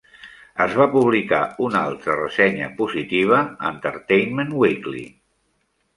Es va publicar una altra ressenya positiva a "Entertainment Weekly".